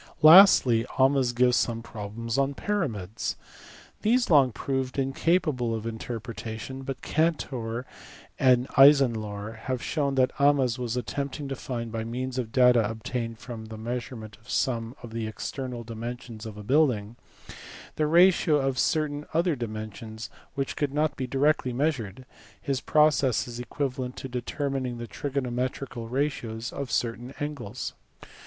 Lastly Ahmes gives some problems on pyramids. These long proved incapable of inter pretation, but Cantor and Eisenlohr have shewn that Ahmes was attempting to find, by means of data obtained from the measurement of some of the external dimensions of a building, the ratio of certain other dimensions which could not be directly measured : his process is equivalent to determining the trigonometrical ratios of certain angles.